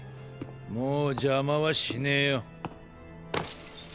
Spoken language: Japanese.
もう邪魔はしねぇよ。